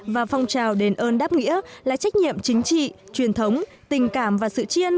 và phong trào đền ơn đáp nghĩa là trách nhiệm chính trị truyền thống tình cảm và sự chiên